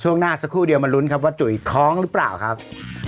ช่วงหน้าสักครู่เดียวมาลุ้นครับว่าจุ๋ยท้องหรือเปล่าครับ